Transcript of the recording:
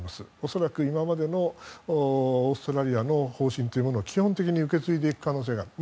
恐らく今までのオーストラリアの方針を基本的に受け継いでいく可能性がある。